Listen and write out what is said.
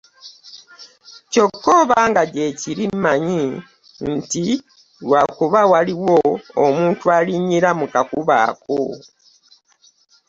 Kyokka obanga gye kiri mmanyi nti lwa kubanga waliwo omu alinnyira mu kakubo ako.